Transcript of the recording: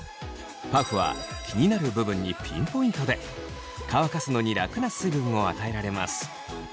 パフは気になる部分にピンポイントで乾かすのに楽な水分を与えられます。